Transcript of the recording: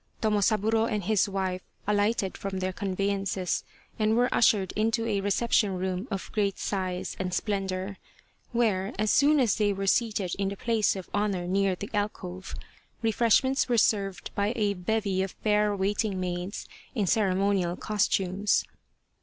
Tomosaburo and his wife alighted from their conveyances and were ushered into a reception room of great size and splendour, where, as soon as they were seated in the place of honour near the alcove, refreshments were served by a bevy of fair waiting maids in ceremonial costumes.